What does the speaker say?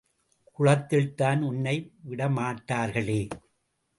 குளத்தில்தான் உன்னை விடமாட்டார்களே!